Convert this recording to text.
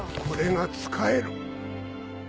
これが使える。